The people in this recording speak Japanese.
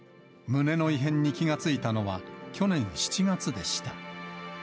胸の異変に気が付いたのは、去年７月でした。